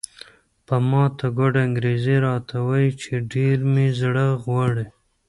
په ماته ګوډه انګریزي راته وایي چې ډېر مې زړه غواړي.